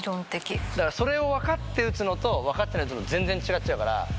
だからそれをわかって打つのとわかってないで打つの全然違っちゃうから。